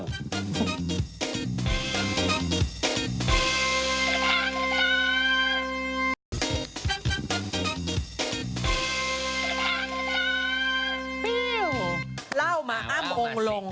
เล่ามาอ้ำองค์ลง